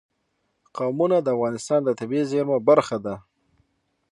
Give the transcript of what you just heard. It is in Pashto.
قومونه د افغانستان د طبیعي زیرمو برخه ده.